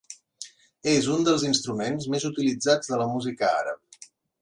És un dels instruments més utilitzats de la música àrab.